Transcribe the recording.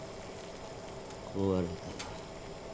壊れた。